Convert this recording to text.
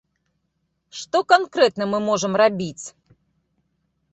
Што канкрэтна мы можам рабіць?